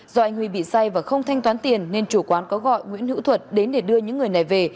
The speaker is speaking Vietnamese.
do anh huy bị say và không thanh toán tiền nên chủ quán có gọi nguyễn hữu thuật đến để đưa những người này về